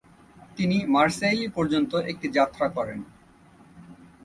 তিনি মারসেইলি পর্যন্ত একটি যাত্রা করেন।